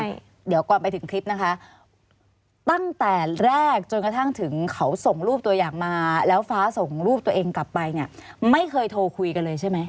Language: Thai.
ใช่เดี๋ยวก่อนไปถึงคลิปนะคะตั้งแต่แรกจนกระทั่งถึงเขาส่งรูปตัวอย่างมาแล้วฟ้าส่งรูปตัวเองกลับไปเนี่ยไม่เคยโทรคุยกันเลยใช่ไหม